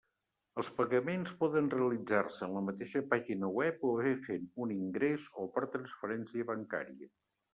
Els pagaments poden realitzar-se en la mateixa pàgina web o bé fent un ingrés o per transferència bancària.